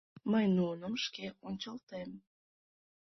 Мый нуным шке ончылтем.